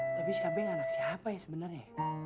tapi siapa yang anak siapa ya sebenarnya